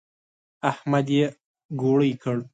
احمد يې ګوړۍ کړ.